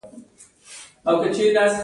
د څېړنې لږ تر لږه شرایط رعایت شول.